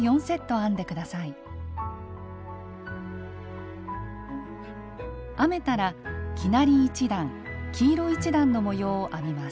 編めたら生成り１段黄色１段の模様を編みます。